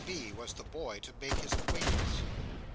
B. was the boy to make his acquaintance.